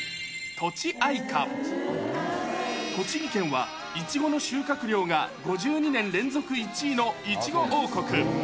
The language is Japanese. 栃木県は、イチゴの収穫量が５２年連続１位のイチゴ王国。